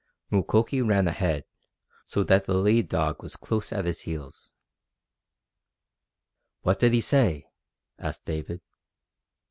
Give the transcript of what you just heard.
Mukoki ran ahead, so that the lead dog was close at his heels. "What did he say?" asked David.